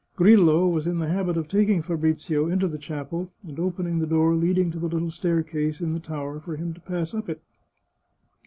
Grillo was in the habit of taking Fabrizio into the chapel and opening the door leading to the little stair case in the tower for him to pass up it.